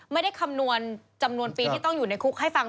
คำนวณจำนวนปีที่ต้องอยู่ในคุกให้ฟัง